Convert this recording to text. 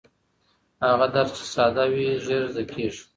هغه درس چې ساده وي ژر زده کېږي.